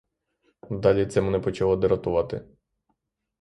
Далі це мене почало дратувати.